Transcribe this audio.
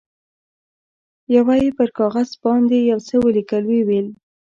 یوه یې پر کاغذ باندې یو څه ولیکل، ویې ویل.